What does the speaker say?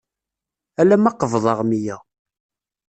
Alama qebḍeɣ meyya.